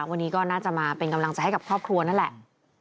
วันนี้ก็น่าจะมาเป็นกำลังใจให้กับครอบครัวนั่นแหละ